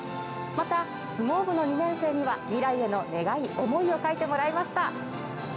また、相撲部の２年生には未来への願い、思いを書いてもらいました。